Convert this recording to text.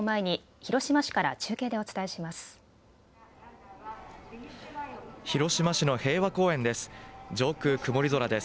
広島市の平和公園です。